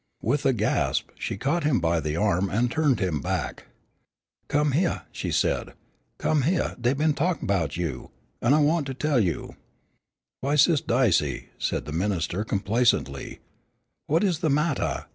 With a gasp, she caught him by the arm, and turned him back. "Come hyeah," she said, "come hyeah, dey been talkin' 'bout you, an' I want to tell you." "Why, Sis' Dicey," said the minister complacently, "what is the mattah?